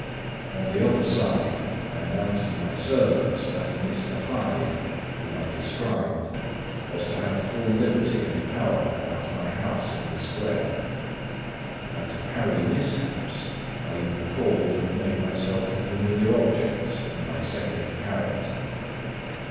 On the other side, I announced to my servants that a Mr. Hyde (whom I described) was to have full liberty and power about my house in the square; and to parry mishaps, I even called and made myself a familiar object, in my second character.